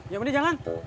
ya boleh jangan